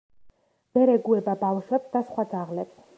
ვერ ეგუება ბავშვებს და სხვა ძაღლებს.